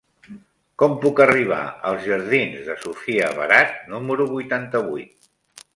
Com puc arribar als jardins de Sofia Barat número vuitanta-vuit?